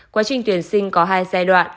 quá trình tuyển sinh có hai giai đoạn